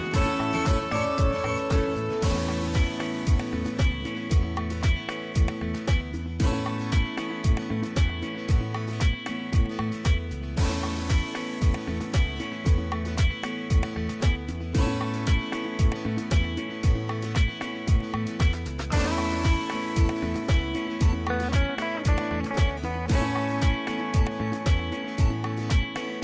โปรดติดตามตอนต่อไป